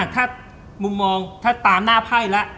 ถ้ามุมมองถ้าตามหน้าไพ่แล้ว